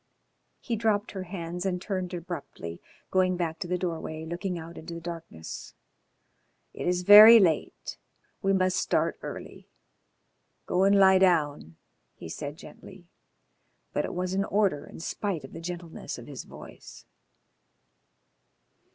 He dropped her hands and turned abruptly, going back to the doorway, looking out into the darkness. "It is very late. We must start early. Go and lie down," he said gently, but it was an order in spite of the gentleness of his voice.